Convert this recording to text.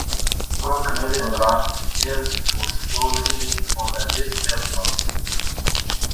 Cochlear implants help to restore hearing for a deaf person.